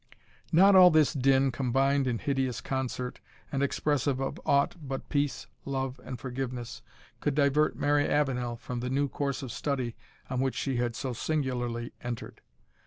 Not all this din, combined in hideous concert, and expressive of aught but peace, love, and forgiveness, could divert Mary Avenel from the new course of study on which she had so singularly entered.